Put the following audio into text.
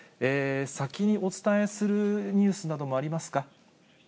先にお伝えするニュースなどもありますか？